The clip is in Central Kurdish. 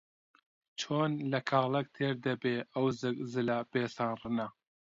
چۆن لە کاڵەک تێر دەبێ ئەو زگ زلە بێستان ڕنە؟